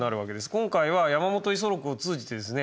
今回は山本五十六を通じてですね